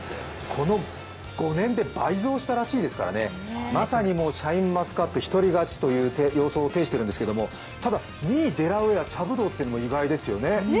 この５年で倍増したらしいですからね、まさにシャインマスカット一人勝ちという様相を呈しているんですけれども、ただ、２位デラウエア、茶ぶどうというのも意外ですよね。